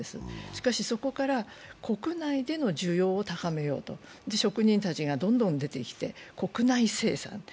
しかし、そこから国内での需要を高めようと職人たちがどんどん出てきて国内生産。